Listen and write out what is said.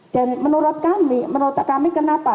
dan menurut kami menurut kami kenapa